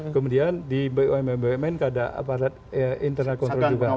kemudian di bumn bumn ada aparat internal kontrol juga